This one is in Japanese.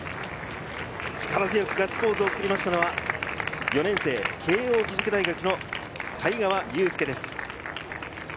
力強くガッツポーズを作ったのは４年生、慶應義塾大学の貝川裕亮です。